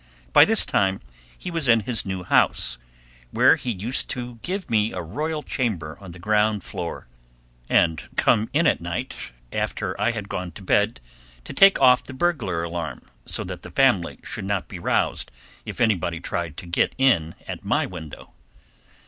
By this time he was in his new house, where he used to give me a royal chamber on the ground floor, and come in at night after I had gone to bed to take off the burglar alarm so that the family should not be roused if anybody tried to get in at my window.